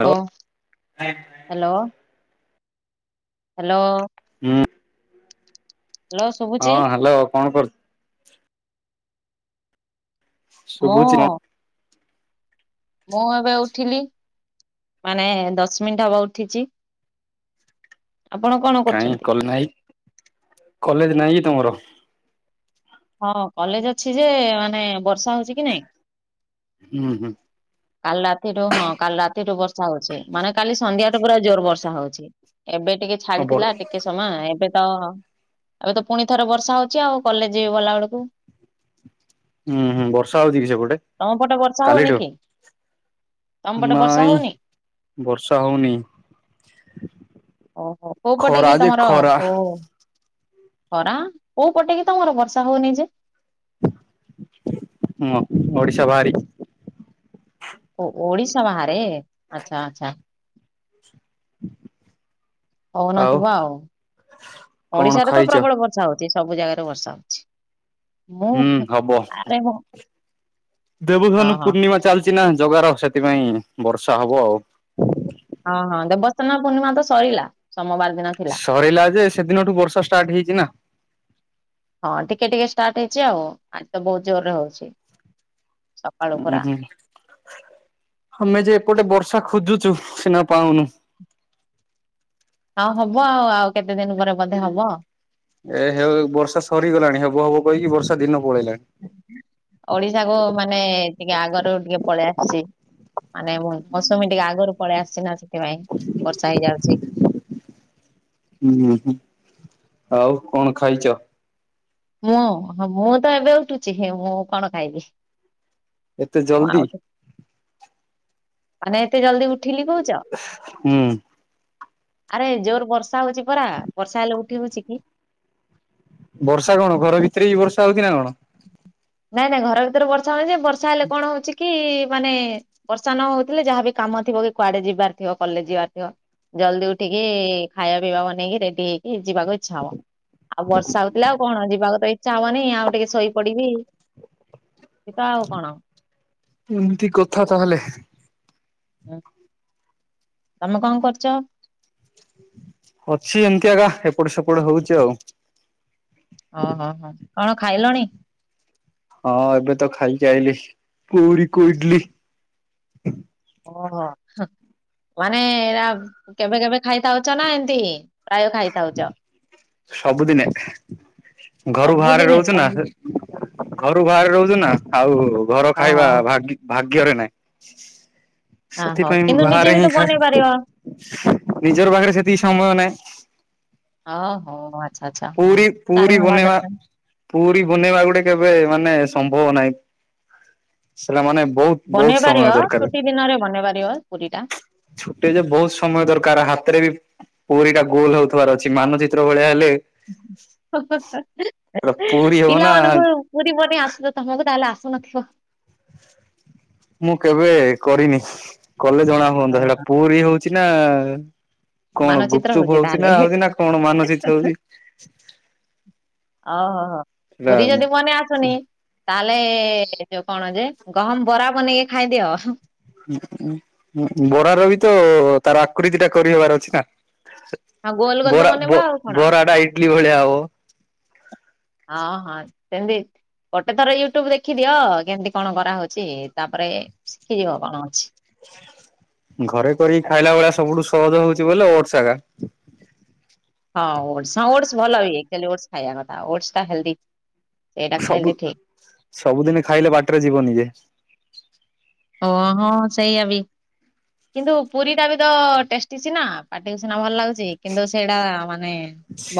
Hello! Hello hello! ହୁଁ। Hello ହଁ ଶୁଭୁଛି ହାଲୋ କଣ କରୁ ମୁଁ ଶୁଭୁଛି ମ। ମୁଁ ଏବେ ଉଠିଲି ମାନେ ଦଶ ମିନିଟ ହବ ଉଠିଛି। ଆପଣ କଣ କାହିଁ କରୁଛନ୍ତି? କଲେ ନାଇଁ, କଲେଜ୍ ନାଇଁ କି ତୁମର? ହଁ କଲେଜ ଅଛି, ଯେ ମାନେ ବର୍ଷା ହଉଛି କି ନାଇଁ! ହୁଁ, ହୁଁ। କାଲି ରାତିଠୁ ହଁ କାଲି ରାତିଠୁ ବର୍ଷା ହଉଛି, ମାନେ କାଲି ସନ୍ଧ୍ୟାଠୁ ପୁରା ଜୋର ବର୍ଷା ହଉଛି। ଏବେ ଟିକେ ଛାଡିଥିଲା ହୁଁ ଟିକେ ସମୟ ଏବେ ତ ଏବେ ତ ପୁଣି ଥରେ ବର୍ଷା ହଉଛି ଆଉ କଲେଜ ଯି ଗଲା ବେଳକୁ ହୁଁ, ହୁଁ ବର୍ଷା ହଉଛି କି ସେପଟେ? ତମ ପଟେ ବର୍ଷା ହଉନି କାଲିଠୁ କି? ତମ ପଟେ ବର୍ଷା ନାଇଁ, ହଉନି ବର୍ଷା ହଉନି। ଓହୋ କୋଉ ପଟେ ଖରା କି ଯେ ତମର? ଖରା ଓ ଖରା କୋଉ ପଟେ କି ତମର ବର୍ଷା ହଉନି ଯେ? ମୁଁ, ଓଡିଶା ବାହାରି ଓ, ଓଡିଶା ବାହାରେ! ଆଛା ଆଛା। [inaudible] ହଉନଥିବ ଆଉ, କଣ ଓଡିଶାରେ ତ ଖାଇଛ ପ୍ରବଳ ବର୍ଷା ହଉଛି। ସବୁ ଜାଗାରେ ବର୍ଷା ହଉଛି। ହୁଁ ମୁଁ ହବ ଆରେ ମୁଁ ହଁ ଦେବଧନୁ ହଁ ପୂର୍ଣ୍ଣିମା ଚାଲିଛିନା ଜଗାର ସେଥିପାଇଁ ବର୍ଷା ହବ ଆଉ। ସ୍ନାନ ପୂର୍ଣ୍ଣିମା ତ ସରିଲା। ସୋମବାର ଦିନ ଥିଲା। ସରିଲା ଯେ ସେଦିନଠୁ ବର୍ଷା ଷ୍ଟାର୍ଟ ହେଇଛି ନା ହଁ, ଟିକେ ଟିକେ ଷ୍ଟାର୍ଟ ହେଇଛି ଆଉ, ଆଜି ତ ବହୁତ ଜୋର ରେ ହଉଛି। ସକାଳୁ ଉଁ, ପୁରା। ହୁଁ ଆମେ ଯେ ଏପଟେ ବର୍ଷା ଖୋଜୁଛୁ ସିନା ପାଉନୁ। ଆଉ ହବ ଆଉ ଆଉ କେତେ ଦିନ ପରେ ବୋଧେ ହବ। ଏ ହେ ବର୍ଷା ସରିଗଲାଣି ହବ ହବ, କହିକି ବର୍ଷା ଦିନ ପଳେଇଲାଣି। ଓଡିଶାକୁ ମାନେ ଟିକେ ଆଗରୁ ଟିକେ ପଳେଇ ଆସିଛି। ମାନେ ମୁଁ ମୌସୁମୀ ଟିକେ ଆଗରୁ ପଳେଇ ଆସଛି ନା, ସେଥିପାଇଁ ବର୍ଷା ହେଇଯାଉଛି। ହୁଁ ହୁଁ ହୁଁ, ଆଉ କଣ ଖାଇଛ? ମୁଁ ମୁଁ ତ ଏବେ ଉଠୁଛି ମୁଁ କଣ ଖାଇବି। ଏତେ ମୁଁ ଜଲଦି? ଆଉ ମାନେ ଏତେ ଜଲଦି ଉଠିଲି କହୁଛ! ହୁଁ। ଆରେ ଜୋର ବର୍ଷା ହଉଛି ପରା ବର୍ଷା ହେଲେ ଉଠି ହଉଛି କି? ବର୍ଷା କଣ ଘର ଭିତରେ ବି ବର୍ଷା ହଉଛି ନା କଣ? ନାଇଁ ନାଇଁ ଘର ଭିତରେ ବର୍ଷା ହଉନି, ଯେ ବର୍ଷା ହେଲେ କଣ ହଉଛି କି ମାନେ ବର୍ଷା ନ ହଉଥିଲେ ଯାହାବି କାମ ଥିବ କି, କୁଆଡେ ଯିବାର ଥିବ କଲେଜ ଯିବାର ଥିବ ଜଲ୍ଦି ଉଠିକି ଖାଇବା ପିଇବା ବନେଇକି ରେଡି ହେଇକି, ଯିବାକୁ ଇଚ୍ଛା ହବ ଆଉ ବର୍ଷା ହଉଥିଲା ଆଉ କଣ ଯିବାକୁ ତ ଇଚ୍ଛା ହବନି, ଆଉ ଟିକେ ଶୋଇପଡିବି ତାଉ ଆଉ କଣ ଏମିତି କଥା ତାହେଲେ? ହୁଁ, ତମେ କଣ କରୁଛ? ଅଛି, ଏମିତି ଆଗା ଏପଟେ ସେପଟ ହଉଛି ଆଉ। ଓହୋ ହୋ କଣ ଖାଇଲଣି? ହଁ ଏବେ ତ ଖାଇକି ଆଇଲିି, ପୁରୀ କୁ ଇଡଲି। ଓ ହୋ ହଁ ମାନେ ଏଇରା କେବେ କେବେ ଖାଇଥାଉଛ, ନା ଏମିତି? ପ୍ରାୟ ଖାଇଥାଉଛ? ସବୁଦିନେ, ଘରୁ ବାହାରେ ସବୁଦିନେ ରହୁଛୁ ନା ସବୁ ଘରୁ ବାହାରେ ରହୁଛୁ ନା, ଆଉ ଘର ଓହୋ ଖାଇବା ଭାଗ୍ୟ ଭାଗ୍ୟରେ ନାଇଁ। ଆ ହଉ ସେଥିପାଇଁ କିନ୍ତୁ ନିଜେ ବାହାରେ ବି ହିଁ ତ ବନେଇ ଖାଏ, ପାରିବ ନିଜର ପାଖରେ ସେତିକି ସମ୍ଭଳ ନାହିଁ। ହଁ ହଉ ବା ପୁରୀ, ପୁରୀ ବନେଇବା ପୁରୀ ବନେଇବା ଗୋଟେ କେବେ ମାନେ ସମ୍ଭବ ନାହିଁ। ସେଟା ମାନେ ବହୁତ ବହୁତ ସମୟ ବନେଇପାରିବ, ଦରକାର ଛୁଟି ଦିନରେ ବନେଇ ପାରିବ ପୁରୀ ଟା। ଛୁଟି ଯେ ବହୁତ ସମୟ ଦରକାର, ହାତରେ ବି ପୁରୀ ଟା ଗୋଲ ହଉଥିବାର ଅଛି। ମାନଚିତ୍ର ଭଳିଆ ହେଲେ ସେଟା ପୁରୀ ହବ ନା ପିଲାମାନଙ୍କୁ ପୁରୀ ବନେଇ ଆସୁନି, ତମକୁ ତାହେଲେ ଆସ [unintelligible] ମୁଁ କେବେ କରିନି, କଲେ ଜଣା ହୁଅନ୍ତା ହଁ, ସେଇଟା ପୁରୀ ହଉଛି ନା କଣ ମାନଚିତ୍ର ଗୁପଚୁପ ହଉଛି ତାହେଲେ ନା ହଉଛି ନା କଣ ମାନଚିତ୍ର ହଉଛି। ଓ ହୋ ହୋ ସେଟା ପୁରୁରୀ ଯଦି ବନେଇ ଆସୁନି ତାହେଲେ ଯୋଉ କଣ ଯେ ଗହମ ବରା ବନେଇକି ଖାଇଦିଅ। ବରାର ବି ତ ତାର ଆକୃତିଟା କରିହବାର ଅଛି ନା। ଆଉ ଗୋଲ ଗୋଲ ତ ବରା ବନେଇବ ବ ଆଉ କଣ ବରାଟା ଇଡଲି ଭଳିଆ ହବ। ହଁ- ହଁ ସେମିତି। ଗୋଟେ ଥର ୟୁଟ୍ୟୁବ ଦେଖିଦିଅ, କେମିତି କଣ କରାହଉଛି? ତାପରେ ଶିଖିଯିବ କଣ ଅଛି ହଁ ଘରେ କରିକି ଖାଇଲା ଭଳିଆ ସବୁଠୁ ସହଜ ହଉଛି, ବୋଇଲେ ଓଟ୍ସ ହେଗା। ହଁ- ହଁ ଓଟସ ଭଲ ହଏ ଖାଇବା କଥା ଓଟସ ଟା ହେଲ୍ଦି। ସେଇଟା ସବୁ ଖାଇଲେ ଠିକ। ସବୁଦିନେ ଖାଇଲେ ବାଟରେ ଯିବନି ଯେ ଓ ହଁ ସେଇଆ ବି। କିନ୍ତୁ ପୁରୀଟା ବି ତ ଟେଷ୍ଟି ସିନା, ପାଟିକୁ ସିନା ଭଲ ଲାଗୁ ଛି, କିନ୍ତୁ ସେଇଟା ମାନେ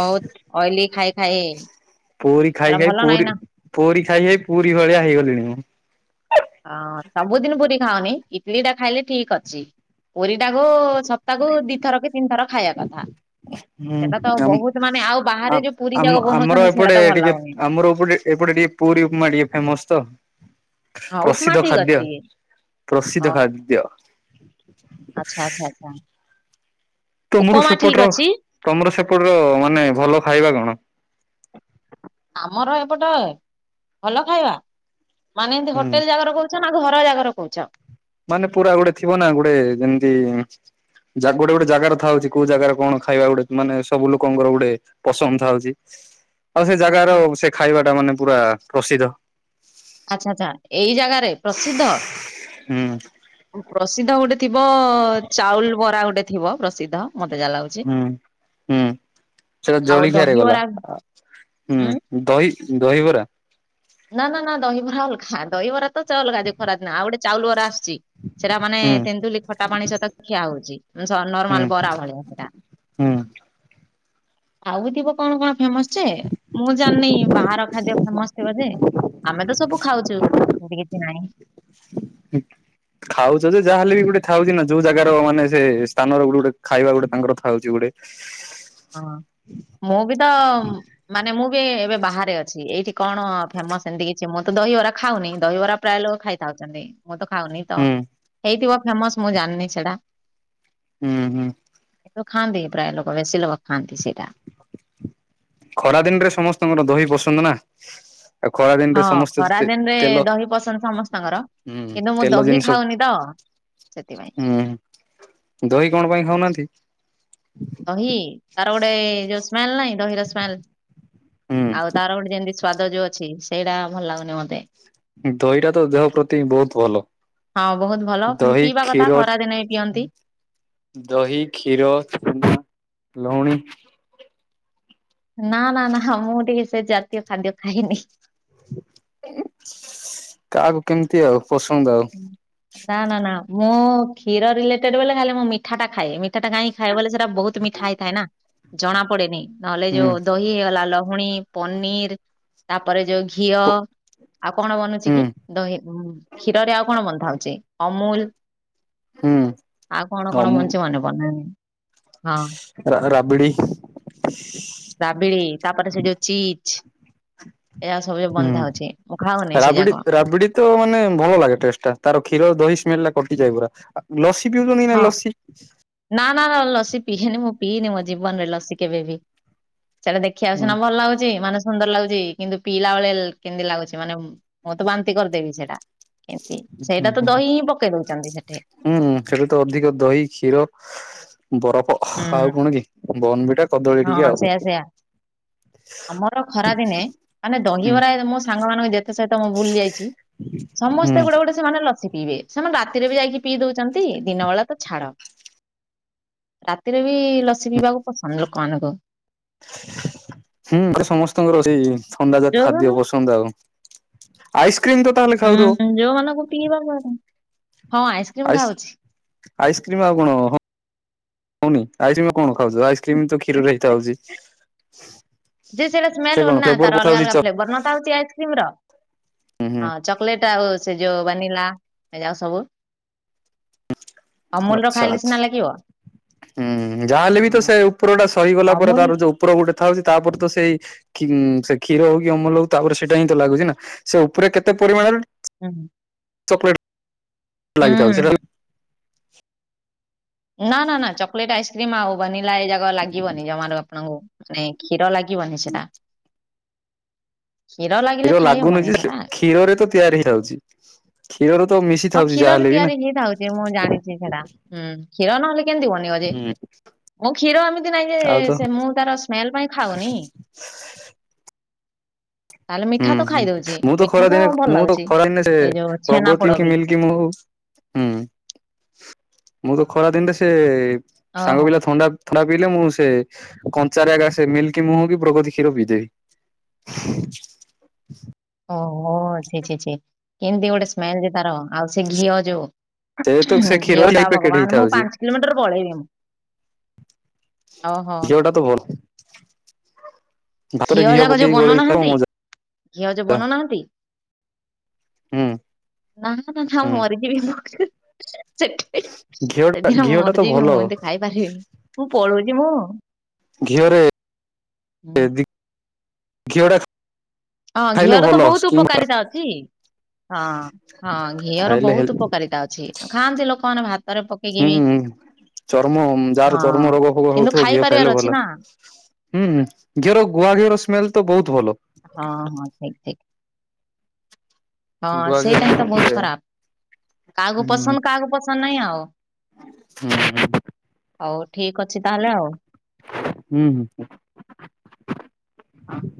ବହୁତ ଅଏଲି ଖାଇ ଖାଇ ପୁରୀ ଖାଇ ସେଟା ଖାଇ ଭଲ ନାହିଁ ପୁରୀ ନା ପୁରୀ ଖାଇ ଖାଇ ପୁରୀ ଭଳିଆ ହେଇଗଲିଣି ମୁଁ। ହଁ ସବୁଦିନ ପୁରୀ ଖାଅନି, ଇଟଲିି ଟା ଖାଇଲେ ଠିକ ଅଛି ପୁରୀଟାକୁ ସପ୍ତାହକୁ ଦିଥର କି ତିନି ଥର ଖାଇବା କଥା। ହୁଁ ସେଟା ତ ଆମ ବହୁତ ମାନେ ଆଉ ବାହାରେ ଯୋଉ ପୁରୀ ଆମ ଯାକ ଆମର ବନଉଛନ୍ତି ସେଟା ଏପଟେ ତ ଭଲ ଟିକେ ଲାଗୁନି। ଆମର ଏପଟେ ଏପଟେ ଟିକେ ପୁରୀ ଉପମା ଟିକେ ଫେମସ ତ। ହଁ ଉପମା ପ୍ରସିଦ୍ଧ ଠିକ ଖାଦ୍ୟ, ଅଛି ପ୍ରସିଦ୍ଧ ଖାଦ୍ୟ ଆଛା ଆଚ୍ଛା ଆଛା। ତମର ସେପଟର ତମର ସେପଟର ମାନେ ଭଲ ଖାଇବା କଣ? ମୋର ଏପଟ ଭଲ ଖାଇବା, ମାନେ ଏମିତି ହୁଁ ହୋଟେଲ ଜାଗାରେ କହୁ ଛ ନା ଘର ଯାକର କହୁଛ? ମାନେ ପୁରା ଗୋଟେ ଥିବ ନା ଗୋଟେ ଯେମିତି ଯାଗୁ ଗୋଟେ ଗୋଟେ ଜାଗାରେ ଥାଉଛି କୋଉ ଜାଗାରେ କଣ ଖାଇବା ଗୋଟେ, ମାନେ ସବୁ ଲୋକଙ୍କର ଗୋଟେ ପସନ୍ଦ ଥାଉଛି। ଆଉ ସେ ହୁଁ ଜାଗାର, ହୁଁ ସେ ଖାଇବାଟା ମାନେ ପୁରା ପ୍ରସିଦ୍ଧ। ଆଛା ଆଚ୍ଛା ଏଇ ଜାଗାରେ ପ୍ରସିଦ୍ଧ। ହୁଁ। ପ୍ରସିଦ୍ଧ ଗୋଟେ ଥିବ, ଚାଉଲ ବରା ଗୋଟେ ଥିବ ପ୍ରସିଦ୍ଧ। ମତେ ଯାହା ଲାଗୁଛି। ହୁଁ- ହୁଁ ସେଟା ଆଉ ଜଳଖିଆରେ ଗଲା। ଦହିବରା ହୁଁ ଉଁ ଦହି ଦହିବରା ନା- ନା- ନା ଦହିବରା ଅଲଗା ଦହିବରା ତ ଅଲଗା ଦି ଖରା ନା ଆଉ ଗୋଟେ ଚାଉଳ ବରା ଆସୁଛି। ସେଟା ମାନେ ହୁଁ। ତେନ୍ତୁଲି ଖଟା ପାଣି ସହିତ ଖିଆ ହଉଛି, ହୁଁ ନର୍ମାଲ ବରା ଭଳିଆ ସେଇଟା। ହୁଁ। ଆଉ ଥିବ କଣ କଣ ଫେମସ ଯେ, ମୁଁ ଜାଣିନି ବାହାର ଖାଦ୍ୟ ଫେମସ ଥିବ ଯେ। ଆମେ ତ ସବୁ ଖାଉଛୁ, ଏମତି କିଛି ନାହିଁ। ହୁଁ। ଖାଉଚ ଯେ ଯାହାହେଲେ ବି ଗୋଟେ ଥାଉଛି ନା, ଯୋଉ ଜାଗାର ମାନେ ସେ ସ୍ଥାନର ଗୋଟେ ଗୋଟେ ଖାଇବା ଗୋଟେ ତାଙ୍କର ଥାଉଛି ଗୋ ଟେ। ହଁ ମୁଁ ବି ତ ମାନେ ମୁଁ ବି ଏବେ ବାହାରେ ଅଛି। ଏଇଠି କଣ ଫେମସ ସେମତି କିଛି ମୁଁ ତ ଦହିବରା ଖାଉନି, ଦହିବରା ପ୍ରାୟ ଲୋକ ଖାଇଥାଉଛନ୍ତି। ମୁଁ ତ ଖାଉନି, ତ ହୁଁ ହେଇଥିବ ଫେମସ ମୁଁ ଜାଣିନି ସେଟା। ହୁଁ ହୁଁ। ତାକୁ ଖାଆନ୍ତି, ପ୍ରାୟ ଲୋକ ବେଶୀ ଲୋକ ଖାଆନ୍ତି ସେଇଟା। ଖରାଦିନରେ ସମସ୍ତଙ୍କର ଦହି ପସନ୍ଦ ନା। ଆଉ ଖରାଦିନରେ ହଁ ସମସ୍ତେ ଖରା ଦିନରେ ତେ-ତେଲ ଦହି ପସନ୍ଦ ସମସ୍ତଙ୍କର ହୁଁ କିନ୍ତୁ । ମୁଁ ତେଲ ଦହି ଜିନିଷ ଖାଉନି ତ ସେଥିପାଇଁ ମୁଁ ଦହି କଣ ପାଇଁ ଖାଉନାହାଁନ୍ତି? ଦହି, ତାର ଗୋଟେ ଯୋଉ ସ୍ମେଲ୍ ନାହିଁ ଦହିର ସ୍ମେଲ। ହୁଁ ଆଉ ତାର ଗୋଟେ ଯେମତି ସ୍ଵାଦ ଯୋଉ ଅଛି, ସେଇଟା ଭଲ ଲାଗୁନି ମତେ। ଦହିଟା ତ ଦେହ ପ୍ରତି ବହୁତ ଭଲ। ହଁ ବହୁତ ଭଲ ଦହି, ପିଇବା କଥା କ୍ଷୀର। ଖରା ଦିନେ ବି ପିଅନ୍ତି ଦହି, କ୍ଷୀର ଛେନା, ଲହୁଣୀ ନା ନା ନା ମୁଁ ଟିକେ ସେ ଜାତୀୟ ଖାଦ୍ୟ ଖାଇନି। କାହାକୁ କେମତି ଆଉ। ପସନ୍ଦ ଆଉ ନା ନା ନା ମୁଁ କ୍ଷୀର ରିଲେଟେଡ ବେଲେ ଖାଲି ମୁଁ ମିଠା ଟା ଖାଏ। ମି ଠା ଟା କାଇଁ ଖାଏ ବୋଲେ ସେଟା ବହୁତ ମିଠା ହେଇଥାଏ ନା, ଜଣା ପଡେନି। ନହେଲେ ହୁଁ ଯୋଉ ଦହି ହେଇଗଲା, ଲହୁ ପୁଣି ପନିର, ତାପରେ ଯୋଉ ଘିଅ, ଆଉ କଣ ବନଉଚି ହୁଁ କି? ଦହି କ୍ଷୀରରେ ଆଉ କଣ ବନ୍ଧା ହଉଛି? ଅମୁଲ ହୁଁ ଆଉ କଣ କଣ ଅମ ବନଚି ମନେ ପଡ଼ୁନି। ହଁ। ରାବିଡି ରାବିଡି ତାପରେ ସେ ଯୋଉ ଚିଜ୍ ଏୟା ସବୁ ଯାକ ହୁଁ ବନ୍ଧା ହଉଛି, ମୁଁ ଖାଉନି ସେ ରାବିଡି ଯାକ। ରାବିଡି ତ ମାନେ ଭଲ ଲାଗେ ଟେଷ୍ଟଟା। ତାର କ୍ଷୀର ଦହି ସ୍ମେଲଟା କଟିଯାଏ ପୁରା। ଆ ଲସି ପିଉଛନ୍ତି କି ହଁ। ନାଇଁ ଲସି ନା ନା ନା ଲସି ପିହେନି, ମୁଁ ପିଏନି ମତେ ଜୀବନରେ ଲସି କେବେ ବି। ସେଇଟା ଦେଖିବାକୁ ହୁଁ ସିନା ଭଲ ଲାଗୁଛି ମାନେ ସୁନ୍ଦର ଲାଗୁଚି କିନ୍ତୁ ପିଇଲା ବେଳେ କେମତି ଲାଗୁଛି ମାନେ, ମୁଁ ତ ବାନ୍ତି କରିଦେବି ସେଇଟା। କେମତି, ହୁଁ ସେଇଟା ତ ଦହି ହିଁ ପକେଇ ଦଉଛନ୍ତି ସେଠି। ହୁଁ ହୁଁ ସେଟା ତ ଅଧିକ ଦହି, କ୍ଷୀର ବରଫ ହୁଁ ଆଉ କଣ କି? ବର୍ଣ୍ଣବିଟା, କଦଳୀ ଟିକେ ହଁ ଆଉ। ସେଇୟା ସେଇୟା। ଆମର ଖରା ଦିନେ, ମାନେ ହୁଁ ଦହିବରା ମୋ ସାଙ୍ଗମାନଙ୍କୁ ଯେତେ ସେତ ତ ମୁଁ ଭୁଲି ଯାଇଛି। ହୁଁ ସମସ୍ତେ ଗୋଟେ ଗୋଟେ ସେମାନେ ଲସି ପିଇବେ। ସେମାନେ ରାତିରେ ବି ଯାଇକି ପିଇ ଦଉ ଚନ୍ତି, ଦିନ ବେଳା ତ ଛାଡ। ରାତିରେ ବି ଲସି ପିଇବାକୁ ପସନ୍ଦ ଲୋ କମାନଙ୍କୁ। ହୁଁ, ସମସ୍ତଙ୍କର ସେଇ ଥଣ୍ଡା ଯାକ ଖାଦ୍ୟ ଯୋଉମାନଙ୍କୁ ପସନ୍ଦ ଆଉ। ଆଇସ୍ ହୁଁ, ଯୋଉ ମାନଙ୍କୁ ପିଇବା ପସ ଆଇସ୍ ଆଇସ୍କ୍ରିମ୍ ଆଉ କଣ ହଉନି, ଆଇସ୍କ୍ରିମର କଣ ଖାଉଛ? ଆଇସ୍କ୍ରିମ ତ କ୍ଷୀରରେ ହେଇଥାଉଛି। ଯେ ସେଇଟା ସେ ସ୍ମେଲ କଣ ହଉନି ନା। ଫ୍ଲେଭର ତାର ଅଲଗା ପଥାଉଛି ଚ ଅଲଗା ଫ୍ଲେଭର ନୁହଁ ଥାଉଛି ଆଇସ୍କ୍ରିମର। ହୁଁ ହୁଁ ହଁ ଚକଲେଟ୍ ଆଉ ସେ ଯୋଉ ବ୍ୟାନିଲା, ଏ ଯାଉ ସବୁ। ଅମୁଲର ଆଚ୍ଛା ଖାଇଲେ ଆଚ୍ଛା। ସିନା ଲାଗିବ। ହୁଁ ଯାହାହେଲେ ବି ତ ହଁ ସେ ଉପର ଟା ସହିଗଲା ପରେ ଅମୁଲ ତାର ଯୋଉ ଉପର ଗୋଟେ ଥାଉଛି ତାପରେ ତ ସେଇ ସେ କ୍ଷୀର ହଉ କି ଅମଲୁ ହଉ ତାପରେ ସେଇଟା ହିଁ ତ ଲାଗୁଛି ନା ସେ ଉପରେ କେତେ ପରିମାଣରେ ହୁଁ। ଚଲେଟ ହୁଁ ଲାଗିଥାଉ ସେଟା ହୁଁ ହେଲା। ନା ନା ନା ଚକଲେଟ ଆଇସ୍କ୍ରିମ ଆଉ ବନିଲା ଏ ଯାକ ଲାଗିବନି ଜମାରୁ ଆପଣଙ୍କୁ ମାନେ କ୍ଷୀର ଲାଗିବ ଜି ବନି ସେଟା। କ୍ଷୀର ଲାଗିଲେ ଖାଇ ଲାଗୁନି ହବନି ଯେ ସେଟା। କ୍ଷୀରରେ ତ ତିଆରି ହେଇଥାଉଛି। କ୍ଷୀରରେ ତ ମିଶି ହଁ ଥାଉଛି କ୍ଷୀରରେ ଯାହାହେଲେ ବି ନା ତିଆରି ହେଇଥାଉଛି ମୁଁ ଜାଣିଛି ସେଟା ହୁଁ କ୍ଷୀର ନହେଲେ କେମିତି ବନେଇ ବ ଜେ? ହୁଁ ମୁଁ କ୍ଷୀର ଏମିତି ନାଇଁ ଯେ ଆଉ ତ ସେ ମୁଁ ତାର ସ୍ମେଲ ପାଇଁ ଖାଉନି। ତାହେଲେ ହୁଁ ମିଠା ତ ହୁଁ ଖାଇଦଉଛି ମୁଁ ତ ମିଠା ଖରାଦିନେ ଭଲ ମୁଁ ତ ଲାଗୁଛି। ଖରା ଦିନେ ସେ ଏଇ ଯୋଉ ଛେନା ପୋଡ ପ୍ରଗତି ବି ମିଲକି ମୁଁ ହୁଁ ମୁଁ ତ ଖରା ଦିନରେ ସେ ସାଙ୍ଗ ଓହୋ ପିଲା ଥଣ୍ଡା ଥଣ୍ଡା ପିଇଲେ ମୁଁ ସେ କଞ୍ଚାରା ଏକା ସେ ମିଲକି ମୁହଁ କି ପ୍ରଗତି କ୍ଷୀର ପିଇ ଦେବି। ଓହୋ ଛି ଛି ଛି କେମତି ଗୋଟେ ସ୍ମେଲ ଯେ ତାର ଆଉ ସେ ଘିଅ ଯୋଉ ସେ ତ ସେ କ୍ଷୀର ଘିଅ ଯାଇ ଟା ପ୍ୟାକେଟ ଭଗବାନ ମୁଁ ହେଇଥାଉଛି ପାଞ୍ଚ କିଲୋମିଟର ପଳେଇବି ମୁଁ। ଓହୋ। ଘିଅଟା ତ ଭଲ। ଭାତରେ ଘିଅ ଯାକ ଯୋଉ ପକେଇକି ଗୋଳେଇ ଖାଇବ ବନଉନାହାନ୍ତି ମଜା। ଘିଅ ଯୋଉ ବନଉନାହାନ୍ତି। ହୁଁ ନା ନା ନା ହୁଁ ଥାଉ ମରି ଯିବି ମୁଁ। ସେଠ ଘିଅ ଟା ସେଦିନ ଘିଅ ମର ଟା ତ ଯକି ଭଲ ମୁଁ ଏମିତି ଖାଇପାରିବିନି ମୁଁ ପଳଉଛି ମୁଁ। ଘିଅରେ। ହୁଁ। କେଦି ଘିଅଟା ହଁ ଘିଅର ତ ବହୁତ ଉପକାରିତା ଅଛି। ହଁ ହଁ ଘିଅର ଖାଇଲେ ହେଲ୍ ବହୁତ ଉପକାରିତା ଅଛି ଖାଆନ୍ତି ଲୋକମାନେ ଭାତ ହୁଁ ଚର୍ମ ଯାହାର ହଁ। ଚର୍ମ ରୋଗ ଫୋଗ କିନ୍ତୁ ହଉଥିବ ଘିଅ ଖାଇପାରିବାର ଖାଇଲେ ଅଛି ଭଲ। ନା ହୁଁ ଘିଅର ଗୁଆ ଘିଅର ସ୍ମେଲ ତ ବହୁତ ଭଲ। ହଁ ହଁ ଠିକ ଠିକ। ହଁ ଗୁଆ ଘିଅ ସେଇଟା ହିଁ ତ ବହୁତ ଖରାପ। କାହାକୁ ହୁଁ ପସନ୍ଦ କାହାକୁ ପସନ୍ଦ ନାଇଁ ଆଉ। ହୁଁ ହୁଁ ହଉ ଠିକ୍ ଅଛି ତାହେଲେ ଆଉ। ହୁଁ ହୁଁ ହଁ। ହୁଁ।